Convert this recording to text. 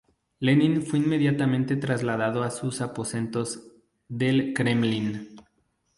Lenin fue inmediatamente trasladado a sus aposentos del Kremlin.